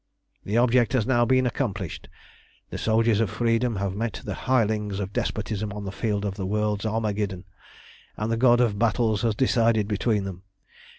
"That object has now been accomplished; the soldiers of freedom have met the hirelings of despotism on the field of the world's Armageddon, and the God of Battles has decided between them.